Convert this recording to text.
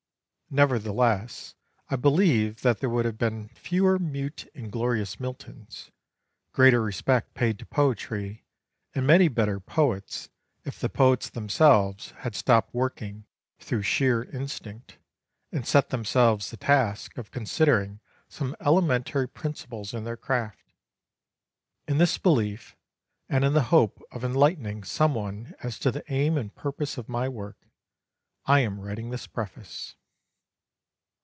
Nevertheless, I believe that there would have been fewer mute inglorious Miltons, greater respect paid to poetry, and many better poets, if the poets themselves had stopped working through sheer instinct and set themselves the task of considering some elementary principles in their craft. In this belief, and in the hope of enlightening some one as to the aim and purpose of my work, I am writing this preface.